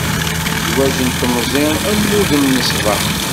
Zwaǧ n temẓi am wudem n ṣṣbeḥ.